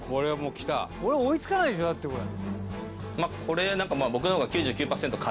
柴田：これは追い付かないでしょだって、これ。